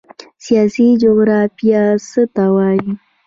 سیاسي جغرافیه څه ته وایي؟